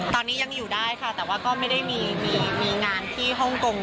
ตอนนี้ยังอยู่ได้ค่ะแต่ว่าก็ไม่ได้มีงานที่ฮ่องกง